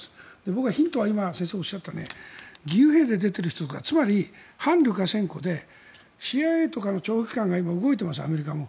僕はヒントは先生がおっしゃった義勇兵で出ている人つまり反ルカシェンコでＣＩＡとかの諜報機関が今動いています、アメリカも。